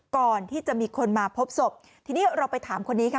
ก่อนที่จะมีคนมาพบศพทีนี้เราไปถามคนนี้ค่ะ